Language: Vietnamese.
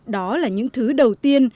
đó là những thứ đầu tiên